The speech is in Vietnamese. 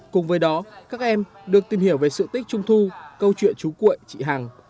cùng với đó các em được tìm hiểu về sự tích trung thu câu chuyện chú cuội chị hằng